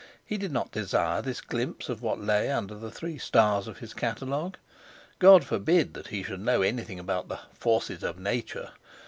He did not desire this glimpse of what lay under the three stars of his catalogue. God forbid that he should know anything about the forces of Nature!